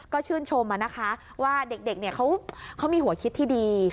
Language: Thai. ก็ชื่นชมนะคะว่าเด็กเขามีหัวคิดที่ดี